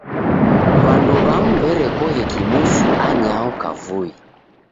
W'andu w'amu w'erekoghe kimusi anyaho kavui.